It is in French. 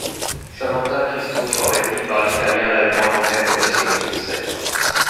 Samantha Cristoforetti parle l'italien, l'allemand, l'anglais, le russe et le français.